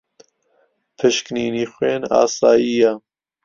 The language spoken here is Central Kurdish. پشکنینی خوێن ئاسایییە.